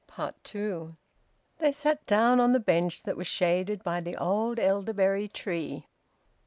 TWO. They sat down on the bench that was shaded by the old elderberry tree.